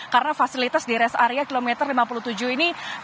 karena fasilitas di res area kilometer lima puluh tujuh ini